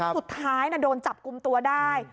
สุดท้ายโดนจับกลุ่มตัวได้